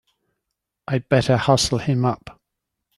I'd better hustle him up!